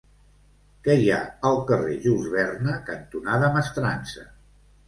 Què hi ha al carrer Jules Verne cantonada Mestrança?